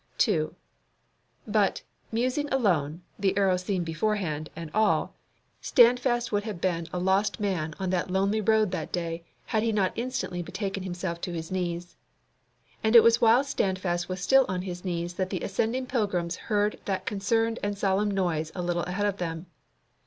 2. But, musing alone, the arrow seen beforehand, and all, Standfast would have been a lost man on that lonely road that day had he not instantly betaken himself to his knees. And it was while Standfast was still on his knees that the ascending pilgrims heard that concerned and solemn noise a little ahead of them.